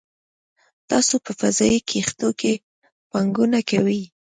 تاسو په فضايي کښتیو کې پانګونه کوئ